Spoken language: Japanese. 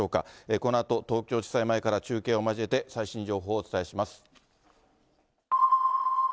このあと、東京地裁前から中継を交えて最新情報をお伝えします。